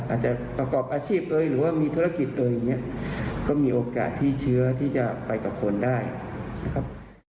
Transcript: อาจจะประกอบอาชีพเอ่ยหรือว่ามีธุรกิจเอ่ยอย่างนี้ก็มีโอกาสที่เชื้อที่จะไปกับคนได้นะครับ